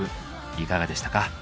いかがでしたか？